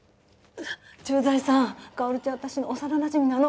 駐在さんかおるちゃん私の幼なじみなの。